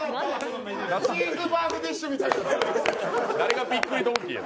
チーズバーグディッシュみたいや。